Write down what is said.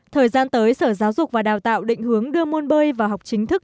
thời gian tới sở giáo dục và đào tạo định hướng đưa môn bơi vào học chính thức